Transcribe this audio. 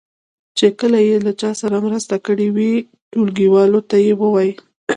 چې کله یې له چا سره مرسته کړې وي ټولګیوالو ته یې ووایي.